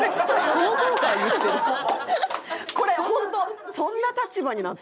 「この頃から言ってるなあ」